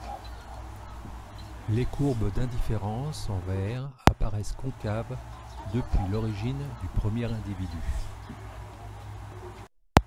Les courbes d'indifférence en vert apparaissent concaves depuis l'origine du premier individu.